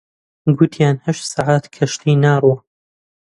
گوتیان هەشت سەعات کەشتی ناڕوا